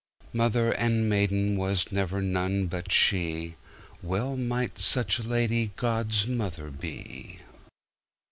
Mother and maidenWas never none but she! Well might such a ladyGod's mother be.